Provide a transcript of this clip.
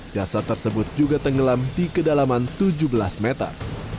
jasad tersebut juga tenggelam di kedalaman tujuh belas meter